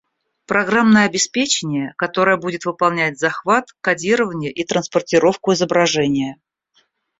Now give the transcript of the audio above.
Программное обеспечение, которое будет выполнять захват, кодирование и транспортировку изображения